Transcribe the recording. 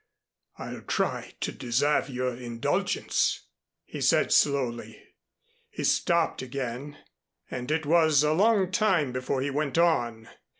I'll try to deserve your indulgence," he said slowly. He stopped again, and it was a long time before he went on.